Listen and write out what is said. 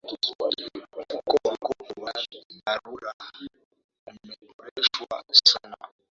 mfuko wa mkopo wa dharura umeboreshwa sana